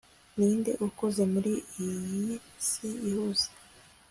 ninde ukuze muri iyi si ihuze